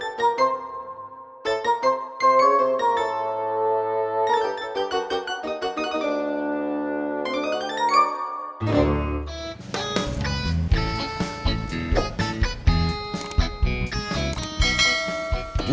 kita tunggu saja nanti